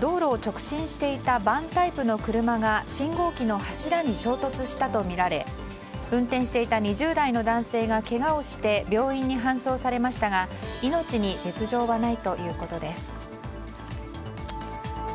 道路を直進していたバンタイプの車が信号機の柱に衝突したとみられ運転していた２０代の男性がけがをして病院に搬送されましたが命に別条はないということです。